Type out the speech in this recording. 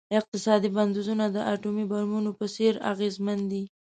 اقتصادي بندیزونه د اټومي بمونو په څیر اغیزمن دي.